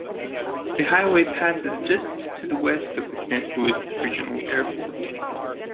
The highway passes just to the west of the Saint Louis Regional Airport.